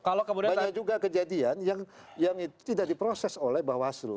banyak juga kejadian yang tidak diproses oleh bawaslu